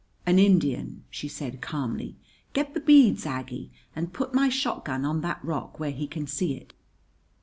"An Indian!" she said calmly. "Get the beads, Aggie; and put my shotgun on that rock, where he can see it."